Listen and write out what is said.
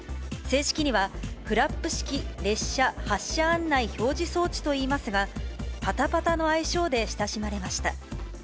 正式には、フラップ式列車発車案内表示装置といいますが、パタパタの愛称で親しまれました。